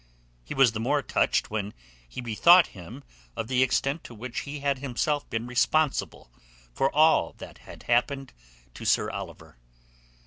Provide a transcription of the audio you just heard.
He was the more touched when he bethought him of the extent to which he had himself been responsible for all that happened to Sir Oliver.